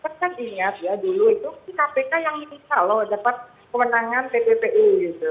saya ingat ya dulu itu kpk yang menginstal loh dapat kewenangan pppu gitu